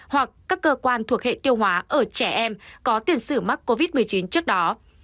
hoặc các cơ quan thuộc hệ tiêu hóa ở trẻ em có tiền sử mắc covid một mươi chín trước đó